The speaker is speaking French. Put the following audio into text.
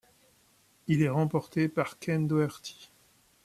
Il est remporté par Ken Doherty.